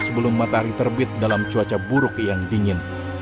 sebelum matahari terbit dalam cuaca buruk yang dingin